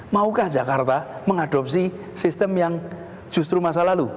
maukah jakarta mengadopsi sistem yang justru masa lalu